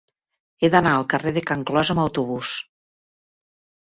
He d'anar al carrer de Can Clos amb autobús.